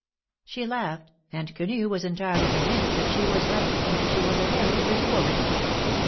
She laughed, and Quenu was entirely convinced that she ^vas right, and that she was a very pretty woman.